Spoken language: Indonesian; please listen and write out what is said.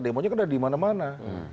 demonya kan ada dimana mana